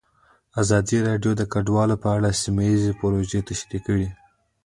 ازادي راډیو د کډوال په اړه سیمه ییزې پروژې تشریح کړې.